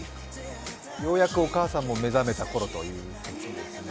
ようやくお母さんも目覚めたころですね。